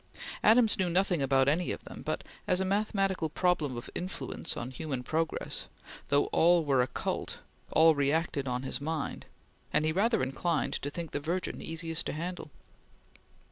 Adams knew nothing about any of them, but as a mathematical problem of influence on human progress, though all were occult, all reacted on his mind, and he rather inclined to think the Virgin easiest to handle.